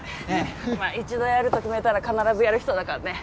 一度やると決めたら必ずやる人だからね。